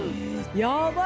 やばい。